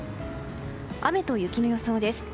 雨と雪の予想です。